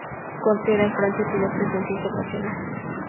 Con sede en Francia, tiene presencia internacional.